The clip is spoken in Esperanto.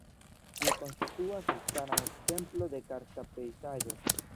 Tio konstituas elstaran ekzemplo de karsta pejzaĝo.